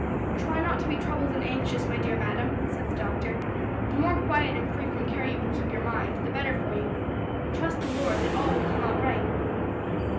"Try not to be troubled and anxious, my dear madam," said the doctor, "the more quiet and free from care you can keep your mind, the better for you. Trust the Lord that all will come out right."